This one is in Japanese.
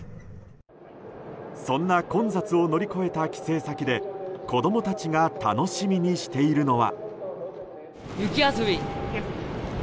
そんな混雑を乗り越えた帰省先で子供たちが楽しみにしているのは。